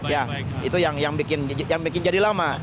ya itu yang bikin jadi lama